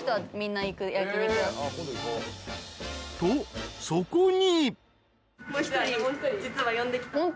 ［とそこに］